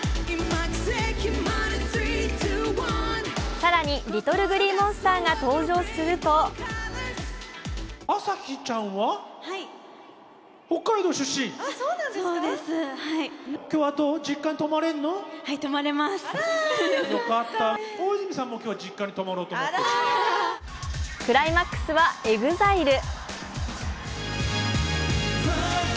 更に、ＬｉｔｔｌｅＧｌｅｅＭｏｎｓｔｅｒが登場するとクライマックスはＥＸＩＬＥ。